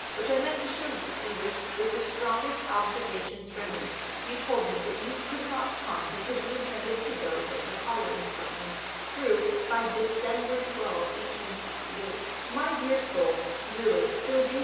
which I mean to show you, in which, with the strongest objurgations of me, you told me that you could not come because you intended to get the Cholera Instructions through by December 12, 1868. My dear soul, really Sir B.